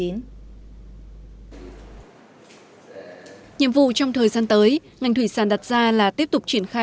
nhiệm vụ trong thời gian tới ngành thủy sản đặt ra là tiếp tục triển khai